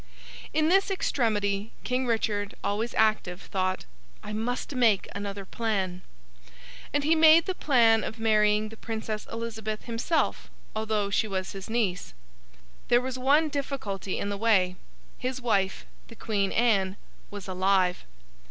In this extremity, King Richard, always active, thought, 'I must make another plan.' And he made the plan of marrying the Princess Elizabeth himself, although she was his niece. There was one difficulty in the way: his wife, the Queen Anne, was alive.